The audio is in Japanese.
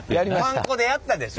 パン粉でやったでしょ。